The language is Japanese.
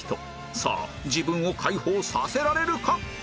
さあ自分を解放させられるか